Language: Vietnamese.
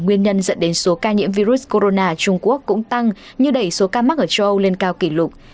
nguyên nhân dẫn đến số ca nhiễm virus corona trung quốc cũng tăng như đẩy số ca mắc ở châu âu lên cao kỷ lục